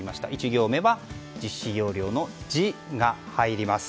１行目は実施要領の「ジ」が入ります。